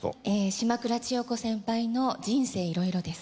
島倉千代子先輩の『人生いろいろ』です。